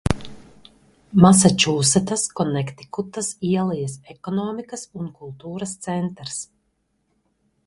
Masačūsetsas Konektikutas ielejas ekonomikas un kultūras centrs.